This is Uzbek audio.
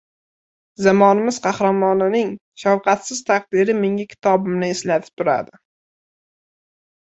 “Zamonamiz qahramoni”ning shafqatsiz taqdiri menga kitobimni eslatib turadi.